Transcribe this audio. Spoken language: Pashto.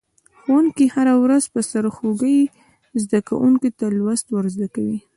ښوونکی هره ورځ په سرخوږي زده کونکو ته لوست ور زده کوي.